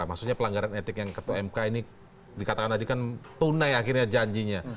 maksudnya pelanggaran etik yang ketua mk ini dikatakan tadi kan tunai akhirnya janjinya